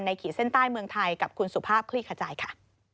ขีดเส้นใต้เมืองไทยกับคุณสุภาพคลี่ขจายค่ะ